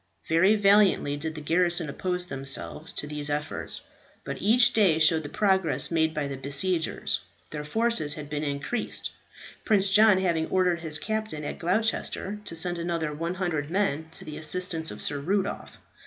Very valiantly did the garrison oppose themselves to these efforts. But each day showed the progress made by the besiegers. Their forces had been increased, Prince John having ordered his captain at Gloucester to send another 100 men to the assistance of Sir Rudolph.